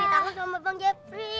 iya ditanggung sama bang jepri